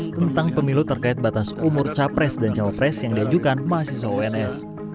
tentang pemilu terkait batas umur capres dan cawapres yang diajukan mahasiswa uns